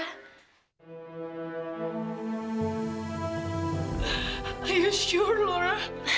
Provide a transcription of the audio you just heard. kamu yakin laura